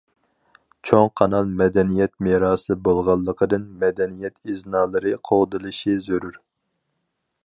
چوڭ قانال مەدەنىيەت مىراسى بولغانلىقىدىن مەدەنىيەت ئىزنالىرى قوغدىلىشى زۆرۈر.